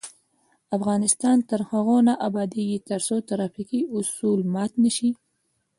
افغانستان تر هغو نه ابادیږي، ترڅو ترافیکي اصول مات نشي.